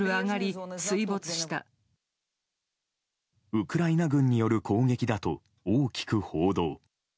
ウクライナ軍による攻撃だと大きく報道。